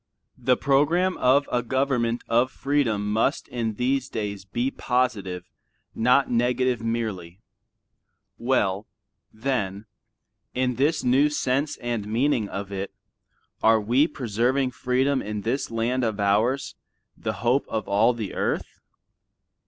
The program of a government of freedom must in these days be positive, not negative merely. Well, then, in this new sense and meaning of it, are we preserving freedom in this land of ours, the hope of all the earth?